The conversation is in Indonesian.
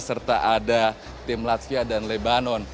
serta ada tim latvia dan lebanon